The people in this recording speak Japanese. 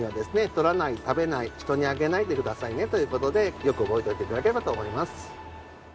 採らない食べない人にあげないでくださいねという事でよく覚えておいて頂ければと思います。